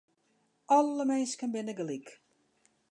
Alle minsken binne gelyk.